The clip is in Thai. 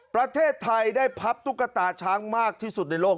ประเทศไทยได้พับตุ๊กตาช้างมากที่สุดในโลก